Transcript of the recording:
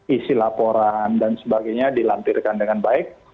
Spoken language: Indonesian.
isi laporan dan sebagainya dilampirkan dengan baik